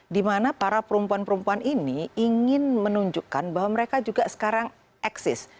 dimana para perempuan perempuan ini ingin menunjukkan bahwa mereka juga sekarang eksis